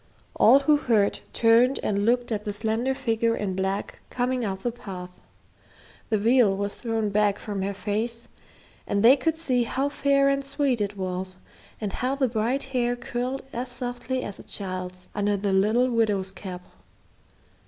All who heard turned and looked at the slender figure in black coming up the path. The veil was thrown back from her face and they could see how fair and sweet it was, and how the bright hair curled as softly as a child's under the little widow's cap.